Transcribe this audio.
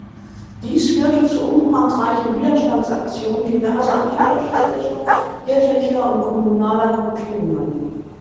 Dies führte zu umfangreichen Widerstandsaktionen diverser antifaschistischer, kirchlicher und kommunaler Gruppierungen.